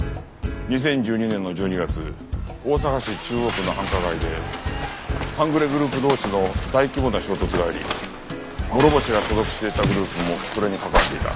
２０１２年の１２月大阪市中央区の繁華街で半グレグループ同士の大規模な衝突があり諸星が所属していたグループもそれに関わっていた。